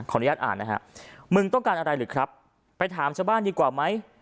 อนุญาตอ่านนะฮะมึงต้องการอะไรหรือครับไปถามชาวบ้านดีกว่าไหม